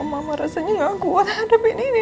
mama rasanya gak kuat hadapin ini